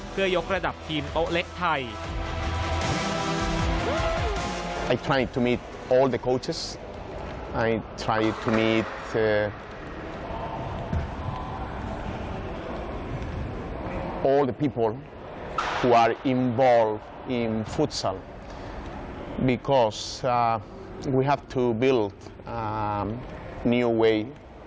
เพื่อยกระดับทีมโต๊ะเล็กไทย